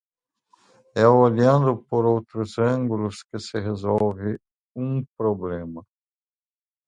É olhando por outros ângulos que se resolve um problema